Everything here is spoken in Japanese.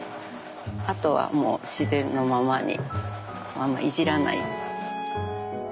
あとはもう自然のままにあんまいじらない。